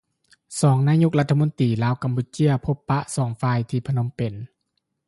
ສອງນາຍົກລັດຖະມົນຕີ ລາວກຳປູເຈຍ ພົບປະສອງຝ່າຍ ທີ່ ພະນົມເປັນ